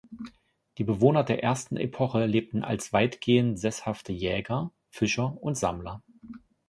Die Bewohner der ersten Epoche lebten als weitgehend sesshafte Jäger, Fischer und Sammler.